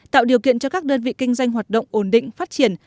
tạo điều kiện cho các đơn vị kinh doanh hoạt động ổn định phát triển